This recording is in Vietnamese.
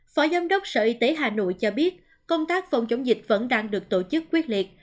phó giám đốc sở y tế hà nội cho biết công tác phòng chống dịch vẫn đang được tổ chức quyết liệt